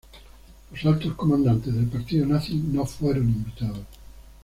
Los altos comandantes del partido nazi no fueron invitados.